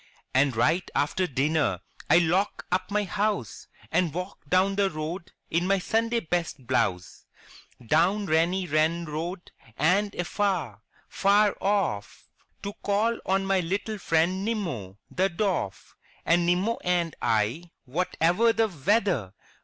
And right after dinner I lock up my house. And walk down the road in my Sunday best blouse; Down Reeny Ren Road and afar, far off, To call on my little friend Nimmo, the Dwarf. And Nimmo and I, whatever the weather.